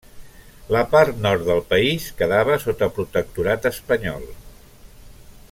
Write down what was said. La part nord del país quedava sota protectorat espanyol.